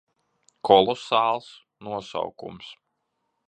Kolosāls nosaukums.